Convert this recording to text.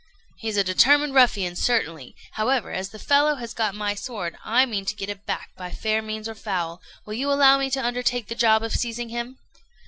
"He's a determined ruffian, certainly. However, as the fellow has got my sword, I mean to get it back by fair means or foul: will you allow me to undertake the job of seizing him?"